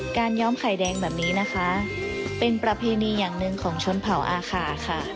ย้อมไข่แดงแบบนี้นะคะเป็นประเพณีอย่างหนึ่งของชนเผาอาคาค่ะ